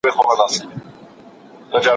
آیا د کورنۍ غونډه تر بلي غونډي ارامه ده؟